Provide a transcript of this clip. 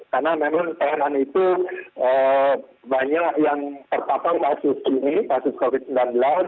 karena memang peranan itu banyak yang terpapar pasus ini pasus covid sembilan belas